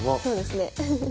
そうですね。